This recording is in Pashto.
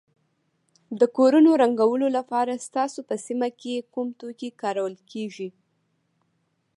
د کورونو رنګولو لپاره ستاسو په سیمه کې کوم توکي کارول کیږي.